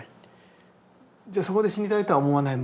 じゃそこで死にたいとは思わない？